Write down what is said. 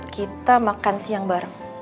kita makan siang bareng